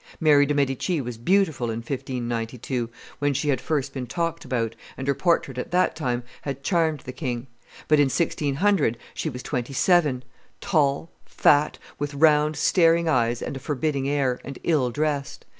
Mary de' Medici was beautiful in 1592, when she had first been talked about, and her portrait at that time had charmed the king; but in 1600 she was twenty seven, tall, fat, with round, staring eyes and a forbidding air, and ill dressed.